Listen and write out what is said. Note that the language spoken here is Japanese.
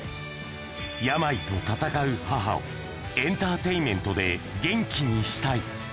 病と闘う母を、エンターテインメントで元気にしたい。